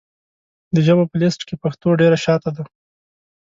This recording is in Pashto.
د ژبو په لېسټ کې پښتو ډېره شاته ده .